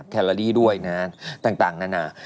แคลอรี่ด้วยนะต่างนานา